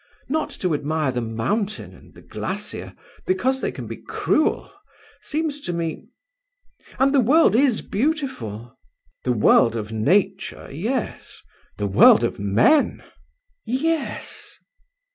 Not to admire the mountain and the glacier because they can be cruel, seems to me ... And the world is beautiful." "The world of nature, yes. The world of men?" "Yes."